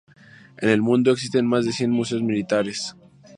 En el mundo existen más de cien museos militares.